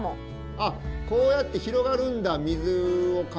あっこうやって広がるんだ水を介すると。